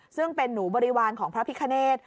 ซึ่งเป็นหนูบริวารของพระพิคเนธ